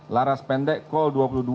laras pendek call dua puluh dua